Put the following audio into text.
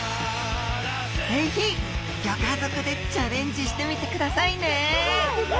是非ギョ家族でチャレンジしてみてくださいねす